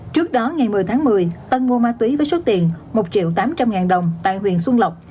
trước đó ngày một mươi tháng một mươi tân mua ma túy với số tiền một triệu tám trăm linh ngàn đồng tại huyện xuân lộc